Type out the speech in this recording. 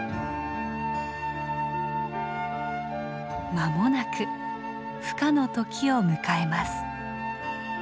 まもなくふ化の時を迎えます。